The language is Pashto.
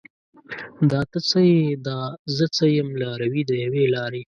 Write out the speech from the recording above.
دا ته څه یې؟ دا زه څه یم؟ لاروي د یوې لارې